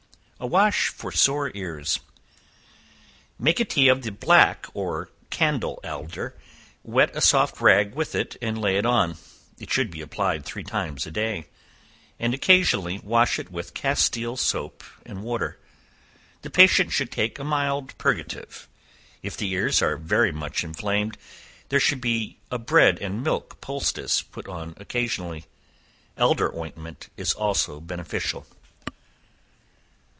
A Wash for Sore Ears. Make a tea of the black or candle alder, wet a soft rag with it, and lay it on; it should be applied three times a day, and occasionally wash it with castile soap and water. The patient should take a mild purgative. If the ears are very much inflamed, there should be a bread and milk poultice put on occasionally. Elder ointment is also beneficial.